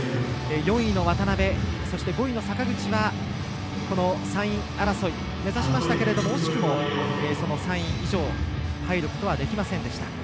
４位の渡部、そして５位の坂口は３位争い、目指しましたけれども惜しくもその３位以上入ることはできませんでした。